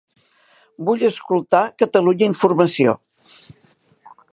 Vull escoltar Catalunya Informació.